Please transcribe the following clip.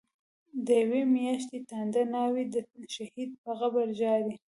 دیوی میاشتی تانده ناوی، د شهید په قبر ژاړی